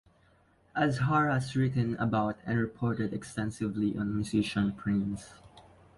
Azhar has written about and reported extensively on musician Prince.